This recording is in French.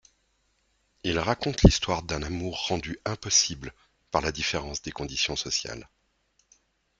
Il raconte l’histoire d’un amour rendu impossible par la différence de conditions sociales..